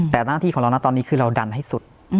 แต่หน้าที่ของเรานะตอนนี้คือเราดันให้สุด